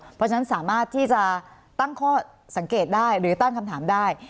เพราะฉะนั้นสามารถที่จะตั้งข้อสังเกตได้หรือตั้งคำถามได้